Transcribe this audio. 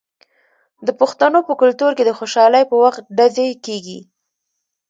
د پښتنو په کلتور کې د خوشحالۍ په وخت ډزې کیږي.